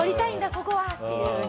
ここはっていうふうに。